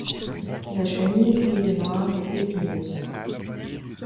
La chenille, grise et noire est épineuse.